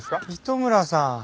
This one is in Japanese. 糸村さん。